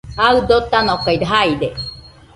Aɨ dotanokaide jaide